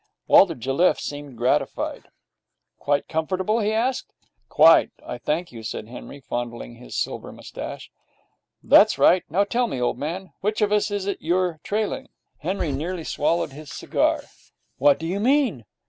Walter Jelliffe seemed gratified. 'Quite comfortable?' he asked. 'Quite, I thank you,' said Henry, fondling his silver moustache. 'That's right. And now tell me, old man, which of us is it you're trailing?' Henry nearly swallowed his cigar. 'What do you mean?'